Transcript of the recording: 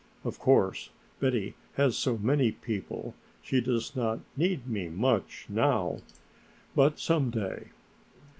Of course Betty has so many people she does not need me much now, but some day.